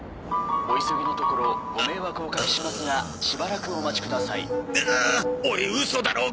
「お急ぎのところご迷惑をおかけしますがしばらくお待ちください」おいウソだろ。